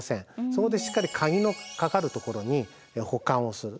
そこでしっかり鍵の掛かるところに保管をする。